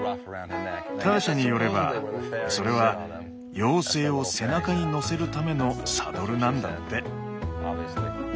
ターシャによればそれは妖精を背中に乗せるためのサドルなんだって。